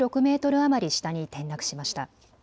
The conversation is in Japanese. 余り下に転落しました。